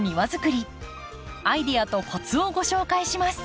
アイデアとコツをご紹介します。